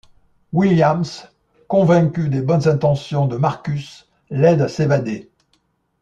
Williams, convaincue des bonnes intentions de Marcus, l'aide à s'évader.